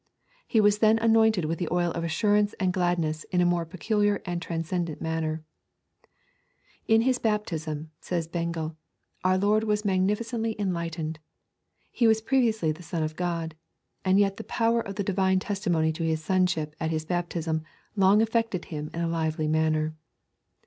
He was then anointed with the oil of assurance and gladness in a more peculiar and transcendent manner.' 'In His baptism,' says Bengel, 'our Lord was magnificently enlightened. He was previously the Son of God, and yet the power of the Divine testimony to His Sonship at His baptism long affected Him in a lively manner.'